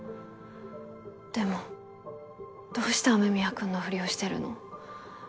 でもどうして雨宮くんのふりをしてるの？